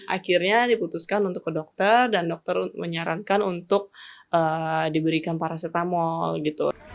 akhirnya diputuskan untuk ke dokter dan dokter menyarankan untuk diberikan paracetamol gitu